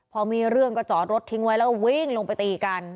พอมีเรื่องก็จอดรถทิ้งไว้แล้วก็วิ่งลงไปตีกัน